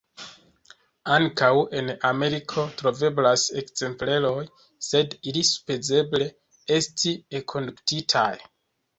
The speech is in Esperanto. Ankaŭ en Ameriko troveblas ekzempleroj, sed ili supozeble estis enkondukitaj.